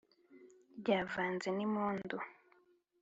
Ryavanze n’impundu